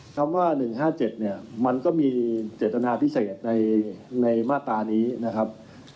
คำว่า๑๕๗เนี่ยมันก็มีเจตนาพิเศษในมาตรานี้นะครับ